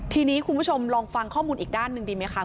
ทีนี้คุณผู้ชมลองฟังข้อมูลอีกด้านหนึ่งดีไหมคะ